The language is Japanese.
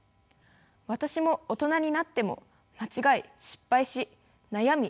私も大人になっても間違い失敗し悩み